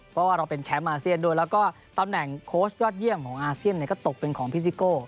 เพราะว่าเราเป็นแชมป์อาเซียนด้วยแล้วก็ตำแหน่งโค้ชยอดเยี่ยมของอาเซียนก็ตกเป็นของพิซิโก้